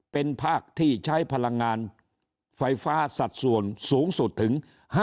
เป็นภาคที่ใช้พลังงานไฟฟ้าสัดส่วนสูงสุดถึง